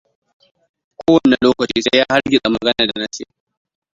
Kowane lokaci sai ya hargitsa maganar da na ce.